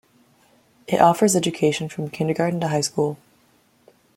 It offers education from kindergarten to high school.